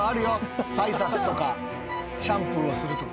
挨拶とかシャンプーをするとか。